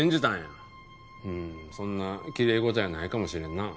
うんそんなきれい事やないかもしれんな。